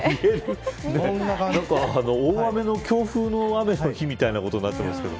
大雨の強風の日みたいになってますけど。